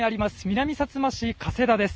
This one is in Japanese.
南さつま市加世田です。